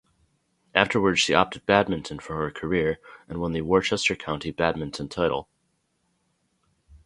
Afterwards she opted badminton for her career and won the Worcester county badminton title.